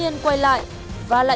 mày đi ra